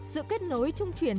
sự kết nối chung chuyển